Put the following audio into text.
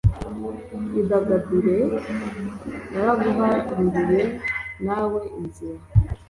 idagadure naraguharuriye nawe inzira